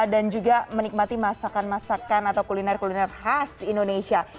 dan juga menikmati masakan masakan atau kuliner kuliner khas indonesia